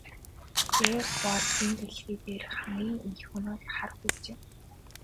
Уур бол энэ дэлхий дээрх хамгийн их хөнөөлт хар хүч юм.